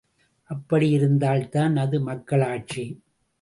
அப்படி யிருந்தால்தான் அது மக்களாட்சி!